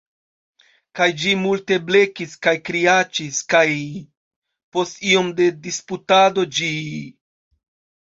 Kaj ĝi multe blekis kaj kriaĉis kaj… post iom de disputado ĝi…